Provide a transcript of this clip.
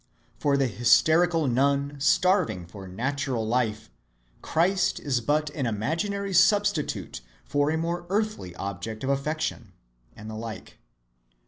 For the hysterical nun, starving for natural life, Christ is but an imaginary substitute for a more earthly object of affection. And the like.